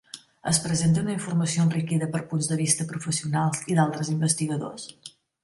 Es presenta una informació enriquida per punts de vista professionals i d'altres investigadors?